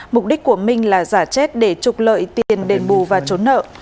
mục đích của minh là giả chết để trục lợi tiền đền bù và trốn nợ